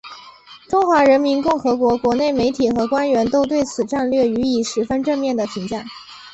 中华人民共和国国内媒体和官员都对此战略予以十分正面的评价。